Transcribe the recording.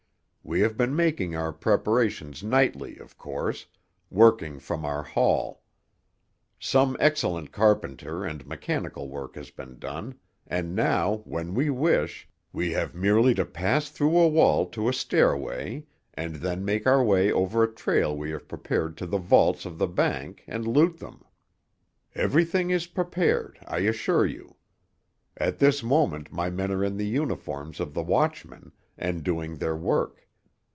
We have been making our preparations nightly, of course, working from our hall. Some excellent carpenter and mechanical work has been done, and now, when we wish, we have merely to pass through a wall to a stairway and then make our way over a trail we have prepared to the vaults of the bank and loot them. "Everything is prepared, I assure you. At this moment my men are in the uniforms of the watchmen, and doing their work.